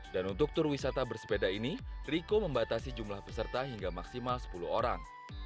dan untuk tur wisata bersepeda ini riko membatasi jumlah peserta hingga maksimal sepuluh orang